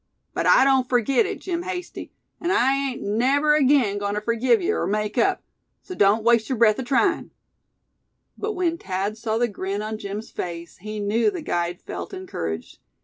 But I don't forgit it, Jim Hasty, an' I ain't never agoin' ter forgive ye, er make up. So don't waste yer breath atryin'." But when Thad saw the grin on Jim's face he knew the guide felt encouraged.